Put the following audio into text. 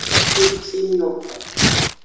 Jicinyo.